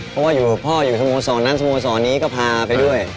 เพราะว่าอยู่พ่ออยู่สโมสรนั้นสโมสรนี้ก็พาไปด้วย